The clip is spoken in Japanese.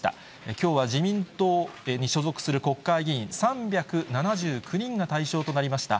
きょうは自民党に所属する国会議員３７９人が対象となりました